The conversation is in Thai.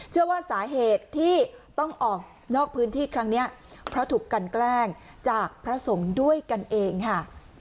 เชื่อว่าสาเหตุที่ต้องออกนอกพื้นที่ครั้งนี้เพราะถูกกันแกล้งจากพระสงฆ์ด้วยกันเองค่ะ